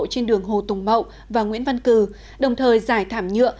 trên đường hồ tùng mậu và nguyễn văn cử đồng thời giải thảm nhựa